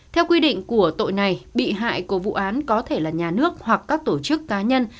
theo quy định của tội này bị hại của vụ án có thể là nhà nước hoặc các tổ chức cá nhân